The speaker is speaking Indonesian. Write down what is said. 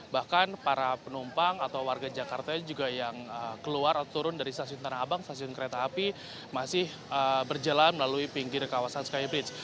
bahkan para penumpang atau warga jakarta juga yang keluar atau turun dari stasiun tanah abang stasiun kereta api masih berjalan melalui pinggir kawasan skybridge